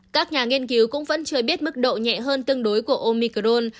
các nhà nghiên cứu cũng vẫn chưa biết mức độ nhẹ hơn tương đối của omicrone